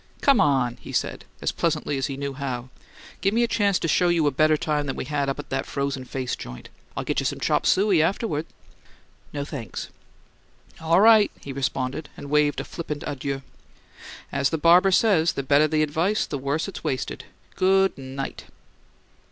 "Come on," he said, as pleasantly as he knew how. "Give me a chance to show you a better time than we had up at that frozen face joint. I'll get you some chop suey afterward." "No, thanks!" "All right," he responded and waved a flippant adieu. "As the barber says, 'The better the advice, the worse it's wasted!' Good night!"